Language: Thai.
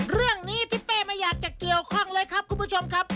เรื่องนี้ทิศเป้ไม่อยากจะเกี่ยวข้องเลยครับคุณผู้ชมครับ